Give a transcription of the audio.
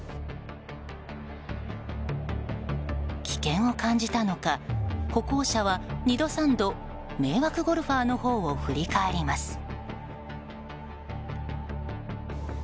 危険を感じたのか歩行者は、２度３度迷惑ゴルファーのほうを振り返ります。